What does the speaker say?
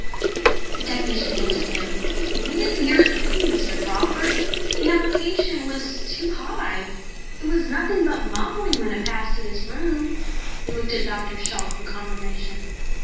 The technician answered him. "We didn't hear a thing, Mr. Crawford. The amplification was too high. It was nothing but mumbling when it passed through this room." He looked at Dr. Shalt for confirmation.